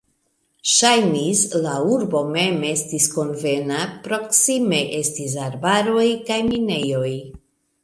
Ŝajnis, la urbo mem estis konvena, proksime estis arbaroj kaj minejoj.